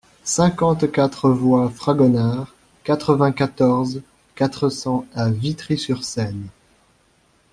cinquante-quatre voie Fragonard, quatre-vingt-quatorze, quatre cents à Vitry-sur-Seine